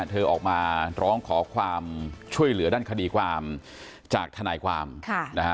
เธอออกมาร้องขอความช่วยเหลือด้านคดีความจากทนายความนะฮะ